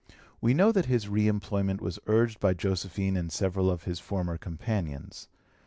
We know that his re employment was urged by Josephine and several of his former companions.